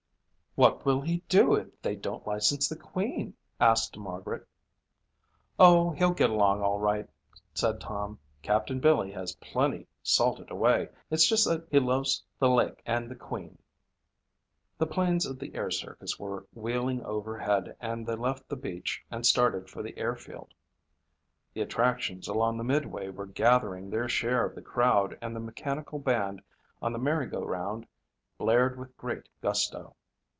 "What will he do if they don't license the Queen?" asked Margaret. "Oh, he'll get along all right," said Tom. "Captain Billy has plenty salted away. It's just that he loves the lake and the Queen." The planes of the air circus were wheeling overhead and they left the beach and started for the air field. The attractions along the midway were gathering their share of the crowd and the mechanical band on the merry go round blared with great gusto.